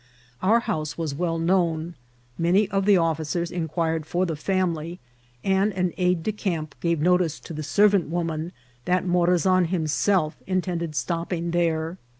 Our house was well known ; many of the officers inquired for the family, and an aiddecamp gave notice to the ser vant woman that Morazan himself intended stopping there.